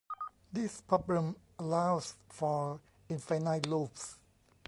This problem allows for infinite loops.